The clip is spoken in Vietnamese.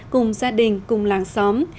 cùng gia đình cùng làng xóm